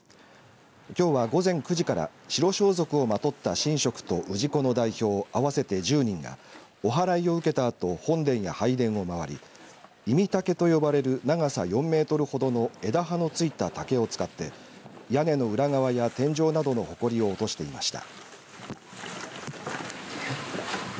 きょうは午前９時から白装束をまとった神職と氏子の代表、合わせて１０人がおはらいを受けたあと本殿や拝殿を回り斎竹と呼ばれる長さ４メートルほどの枝葉のついた竹を使って屋根の裏側や天井などのほこりを落としていました。